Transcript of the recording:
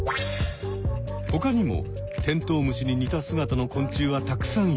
ほかにもテントウムシに似た姿の昆虫はたくさんいる。